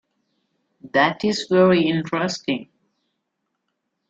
That is very interesting.